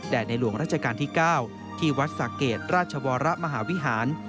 ในหลวงราชการที่๙ที่วัดสะเกดราชวรมหาวิหาร